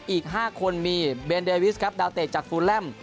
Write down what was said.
อีก๕คนมีเบนเดวิสครับดาวเตะจากฟูแลม